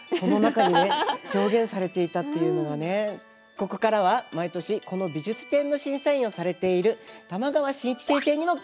ここからは毎年この美術展の審査員をされている玉川信一先生にも加わって頂きます。